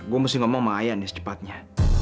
gue mesti ngomong sama ayah nih secepatnya